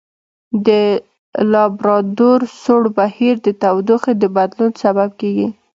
د لابرادور سوړ بهیر د تودوخې د بدلون سبب کیږي.